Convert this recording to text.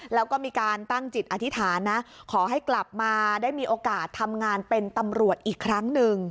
แล้วก็มีการตั้งจิตอธิษฐานนะขอให้กลับมาได้มีโอกาสทำงานเป็นตำรวจอีกครั้งหนึ่ง